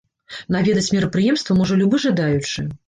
Наведаць мерапрыемства можа любы жадаючы.